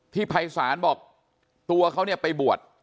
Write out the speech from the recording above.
ที่ภัยศาลบอกตัวเขาไปบวช